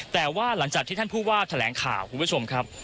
แต่ว่าหลังจากที่ท่านผู้ว่าแถลงข่าวคุณผู้ชมครับ